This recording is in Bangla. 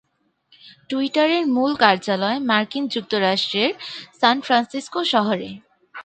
টুইটারের মূল কার্যালয় মার্কিন যুক্তরাষ্ট্রের সান ফ্রান্সিস্কো শহরে।